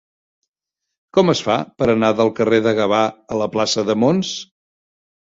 Com es fa per anar del carrer de Gavà a la plaça de Mons?